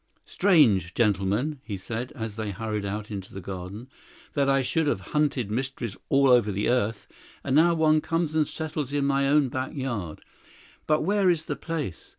"Strange, gentlemen," he said as they hurried out into the garden, "that I should have hunted mysteries all over the earth, and now one comes and settles in my own back yard. But where is the place?"